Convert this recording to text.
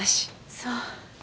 そう。